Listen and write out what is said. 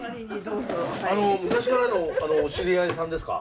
昔からのお知り合いさんですか？